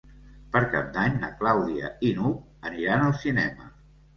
Per Cap d'Any na Clàudia i n'Hug aniran al cinema.